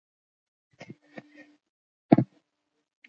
• ځینې نومونه د آسمان، ستوریو او رڼا نښه ده.